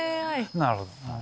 なるほど。